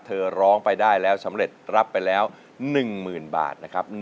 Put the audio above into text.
ร้องไปได้แล้วสำเร็จรับไปแล้ว๑๐๐๐บาทนะครับ